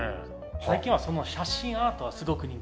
最近はその写真アートはすごく人気で。